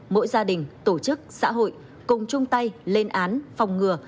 mỗi gia đình tổ chức xã hội cùng chung tay lên án phòng ngừa